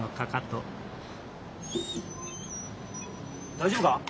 大丈夫か？